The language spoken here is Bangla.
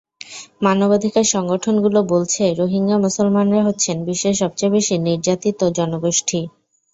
মানবাধিকার সংগঠনগুলো বলছে, রোহিঙ্গা মুসলমানরা হচ্ছেন বিশ্বের সবচেয়ে বেশি নির্যাতিত জনগোষ্ঠী।